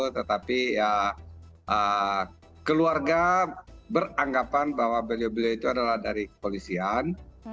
tetapi keluarga beranggapan bahwa beliau beliau itu adalah dari kepolisian